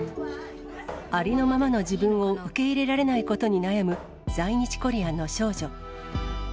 ありのままの自分を受け入れられないことに悩む在日コリアンの少女。